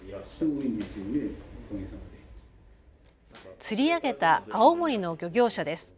釣り上げた青森の漁業者です。